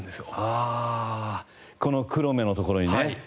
ああこの黒目のところにね。